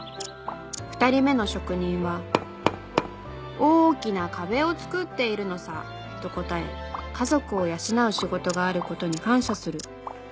２人目の職人は「大きな壁をつくっているのさ」と答え家族を養う仕事があることに感謝する。